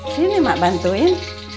sini mak bantuin